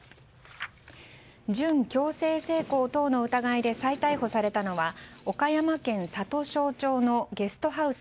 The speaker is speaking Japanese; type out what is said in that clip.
準強制性交等の疑いで再逮捕されたのは岡山県里庄町のゲストハウス